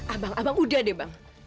abang abang udah deh bang